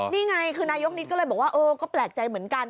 นี่ไงคือนายกนิดก็เลยบอกว่าเออก็แปลกใจเหมือนกัน